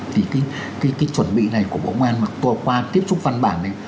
thì cái chuẩn bị này của bộ công an mà qua tiếp xúc văn bản này